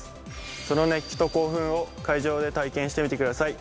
その熱気と興奮を会場で体験してみてください。